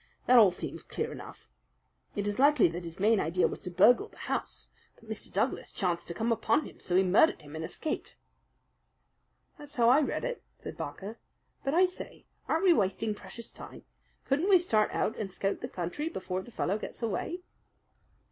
That all seems clear enough. It is likely that his main idea was to burgle the house; but Mr. Douglas chanced to come upon him, so he murdered him and escaped." "That's how I read it," said Barker. "But, I say, aren't we wasting precious time? Couldn't we start out and scout the country before the fellow gets away?"